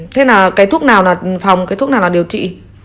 thế là cái thuốc nào là phòng cái thuốc nào là điều trị